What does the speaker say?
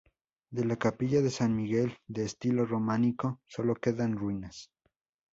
De la capilla de San Miguel, de estilo románico, solo quedan ruinas.